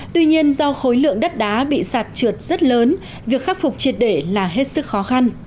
tuy nhiên do khối lượng đất đá bị sạt trượt rất lớn việc khắc phục triệt để là hết sức khó khăn